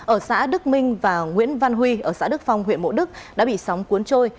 ở xã đức minh và nguyễn văn huy ở xã đức phong huyện mộ đức đã bị sóng cuốn trôi